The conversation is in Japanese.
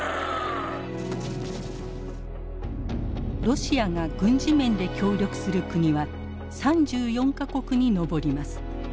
ロシアが軍事面で協力する国は３４か国に上ります。